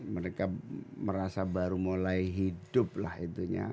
mereka merasa baru mulai hidup lah itunya